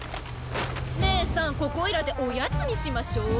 ねえさんここいらでおやつにしましょう。